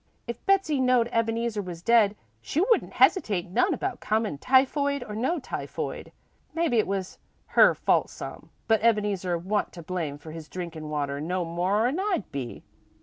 "If Betsey knowed Ebeneezer was dead, she wouldn't hesitate none about comin', typhoid or no typhoid. Mebbe it was her fault some, for Ebeneezer wa'n't to blame for his drinkin' water no more 'n I'd be.